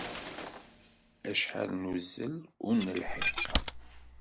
Acḥal nuzzel, ur nelḥiq!